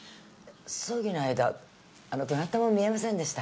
葬儀の間あのどなたも見えませんでした。